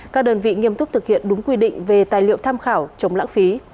các đơn vị nghiêm túc thực hiện đúng quy định về tài liệu tham khảo chống lãng phí